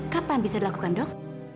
kapan bisa dilakukan dok